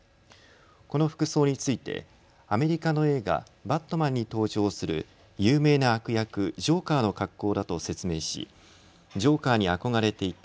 この服装についてアメリカの映画、バットマンに登場する有名な悪役、ジョーカーの格好だと説明しジョーカーに憧れていた。